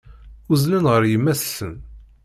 Uzzlen ɣer yemma-tsen.